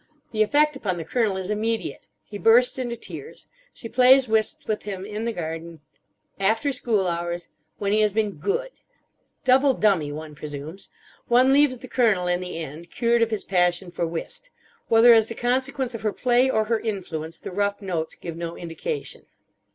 The effect upon the Colonel is immediate: he bursts into tears. She plays whist with him in the garden: "After school hours. When he has been good." Double dummy, one presumes. One leaves the Colonel, in the end, cured of his passion for whist. Whether as the consequence of her play or her influence the "Rough Notes" give no indication.